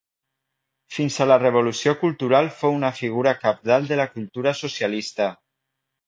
Fins a la Revolució Cultural fou una figura cabdal de la cultura socialista.